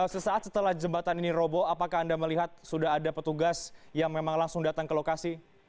sesaat setelah jembatan ini robo apakah anda melihat sudah ada petugas yang memang langsung datang ke lokasi